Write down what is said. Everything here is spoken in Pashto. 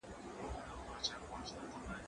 زه اجازه لرم چي منډه ووهم؟